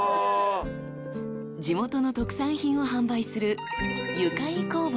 ［地元の特産品を販売する］